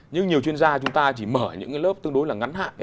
nhưng nhiều chuyên gia chúng ta chỉ mở những lớp tương đối là ngắn hạn